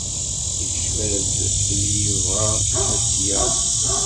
Yekcef-as-d belli yebɣa ad tt-yaɣ.